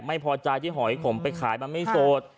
ไม่พอใจที่หอยผมไปขายมันไม่โสด